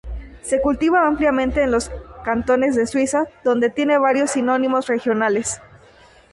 Se cultiva ampliamente en los cantones de Suiza donde tiene varios sinónimos regionales.